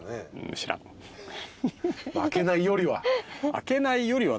空けないよりは。